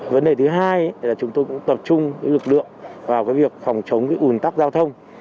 vấn đề thứ hai là chúng tôi cũng tập trung lực lượng vào việc phòng chống ủn tắc giao thông